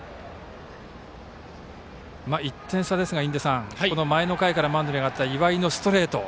１点差ですが、この前の回からマウンドに上がった岩井のストレート。